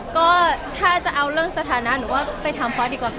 ก็ถ้าจะเอาเรื่องสถานะหนูว่าไปทำฟ้าดีกว่าค่ะ